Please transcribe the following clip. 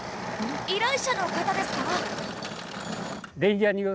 依頼者の方ですか？